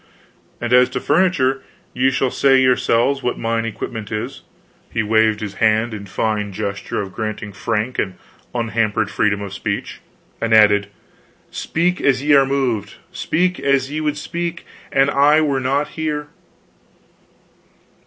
"And as to furniture, ye shall say yourselves what mine equipment is." He waved his hand in fine gesture of granting frank and unhampered freedom of speech, and added: "Speak as ye are moved; speak as ye would speak; an I were not here."